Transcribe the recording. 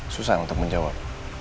susah untuk menjawab